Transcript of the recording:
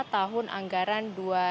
tahun anggaran dua ribu sebelas